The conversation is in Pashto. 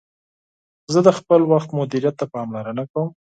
زه د خپل وخت مدیریت ته پاملرنه کوم.